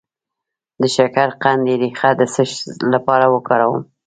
د شکرقندي ریښه د څه لپاره وکاروم؟